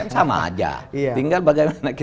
sama aja tinggal bagaimana kita